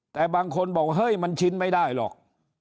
แต่บางคนบอกเฮ้ยมันชินไม่ได้หรอก